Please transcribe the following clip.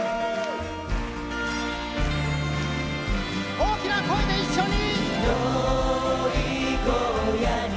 大きな声で一緒に！